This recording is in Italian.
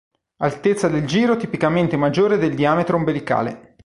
Altezza del giro tipicamente maggiore del diametro ombelicale.